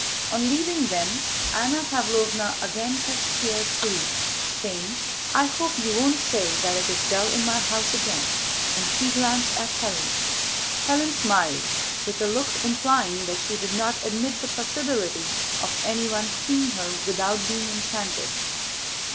On leaving them, Anna Pávlovna again touched Pierre's sleeve, saying: "I hope you won't say that it is dull in my house again," and she glanced at Hélène. Hélène smiled, with a look implying that she did not admit the possibility of anyone seeing her without being enchanted.